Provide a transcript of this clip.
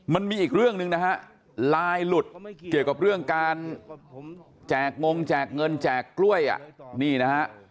มันมีอีกเรื่องหนึ่งนะฮะไลน์หลุดเกี่ยวกับเรื่องการแจกงงแจกเงินแจกกล้วยอ่ะนี่นะฮะ